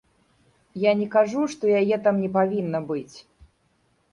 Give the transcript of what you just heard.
Я не кажу, што яе там не павінна быць.